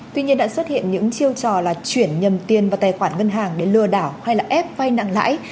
tuy nhiên đã xuất hiện những chiêu trò là chuyển nhầm tiền vào tài khoản ngân hàng để lừa đảo hay là ép vai nặng lãi